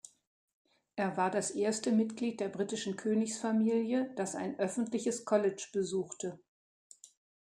Er war das erste Mitglied der britischen Königsfamilie, das ein öffentliches College besuchte.